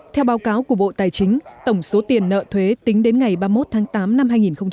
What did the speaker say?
theo báo cáo của bộ tài chính tổng số tiền nợ thuế tính đến ngày ba mươi một tháng tám năm hai nghìn một mươi chín